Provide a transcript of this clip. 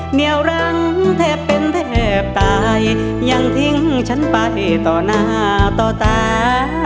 เหนียวรังแทบเป็นแทบตายยังทิ้งฉันไปต่อหน้าต่อตา